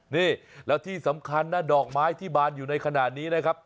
นี่แล้วที่สำคัญนะดอกไม้ที่บานอยู่ในขณะนี้นะครับ